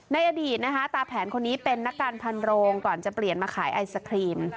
ในอดีตนะคะตาแผนคนนี้เป็นนักการพันโรงก่อนจะเปลี่ยนมาขายไอศครีม